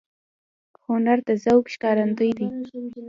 هنر د ذوق ښکارندوی دی